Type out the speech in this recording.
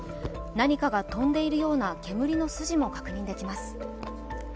何かが飛んでいるような煙の筋も確認できます。